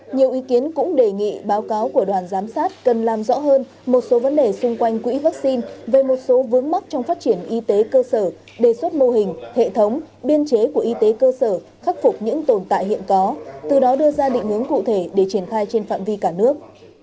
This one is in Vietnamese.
nhiều ý kiến cũng đề nghị báo cáo của đoàn giám sát cần làm rõ hơn một số vấn đề xung quanh quỹ vaccine về một số vướng mắc trong phát triển y tế cơ sở đề xuất mô hình hệ thống biên chế của y tế cơ sở khắc phục những tồn tại hiện có từ đó đưa ra định hướng cụ thể để triển khai trên phạm vi cả nước